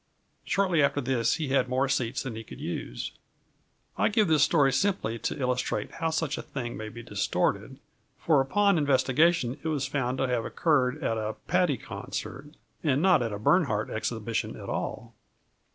Shortly after this he had more seats than he could use. I give this story simply to illustrate how such a thing may be distorted, for upon investigation it was found to have occurred at a Patti concert, and not at a Bernhardt exhibition at all.